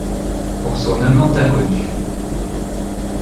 Pour son amant inconnu.